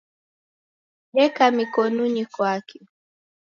Deka mikonunyi kwake.